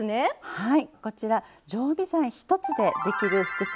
はい。